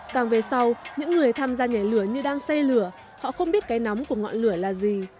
càng về sau những người tham gia nhảy lửa như đang xe lửa họ không biết cái nóng của ngọn lửa là gì